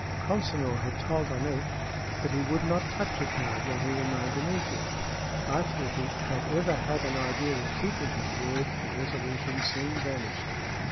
Consinor had told Aneth that he would not touch a card while he remained in Egypt; but if he had ever had an idea of keeping his word the resolution soon vanished.